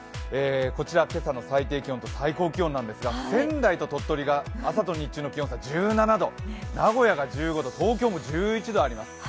こちら、今朝の最低気温と最高気温ですが仙台と鳥取が朝と日中の気温差が１７度、名古屋が１５度、東京も１１度あります